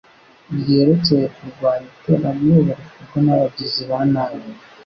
ryerekeye kurwanya iterabwoba rikorwa nabagizi banabi